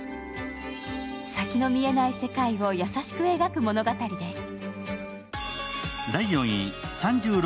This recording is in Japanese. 先の見えない世界を優しく描く物語です。